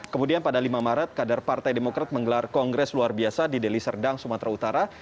kemudian pada lima maret kader partai demokrat menggelar kongres luar biasa di deli serdang sumatera utara